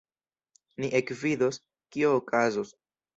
Ni ekvidos, kio okazos.